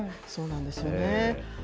そうなんですよね。